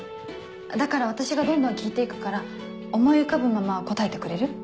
だから私がどんどん聞いて行くから思い浮かぶまま答えてくれる？